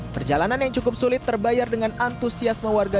perjalanan yang cukup sulit terbayar dengan antusiasme warga